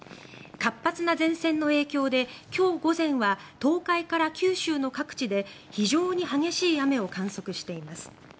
活発な前線の影響で今日午前は東海から九州の各地で非常に激しい雨を観測しています。